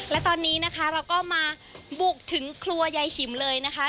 และตอนนี้นะคะเราก็มาบุกถึงครัวยายฉิมเลยนะคะ